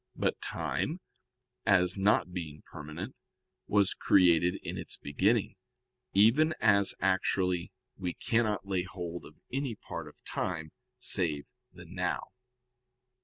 But time, as not being permanent, was created in its beginning: even as actually we cannot lay hold of any part of time save the "now."